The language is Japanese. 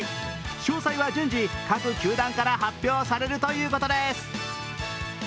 詳細は順次、各球団から発表されるということです。